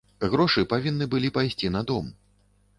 Грошы павінны былі пайсці на дом.